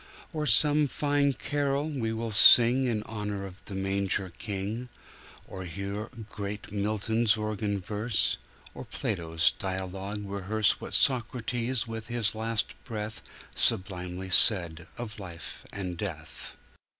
Or some fine carol we will sing In honor of the Manger King Or hear great Milton's organ verse Or Plato's dialogue rehearse What Socrates with his last breathSublimely said of life and death.